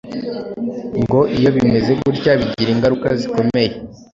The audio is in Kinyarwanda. Ngo iyo bimeze gutya bigira ingaruka zikomeye